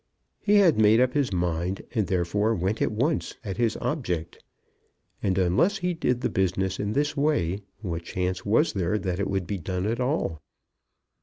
He had made up his mind, and therefore went at once at his object. And unless he did the business in this way, what chance was there that it would be done at all?